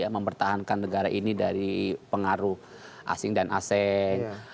mempertahankan negara ini dari pengaruh asing dan asing